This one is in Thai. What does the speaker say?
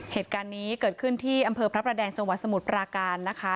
เหตุการณ์นี้เกิดขึ้นที่อำเภอพระประแดงจังหวัดสมุทรปราการนะคะ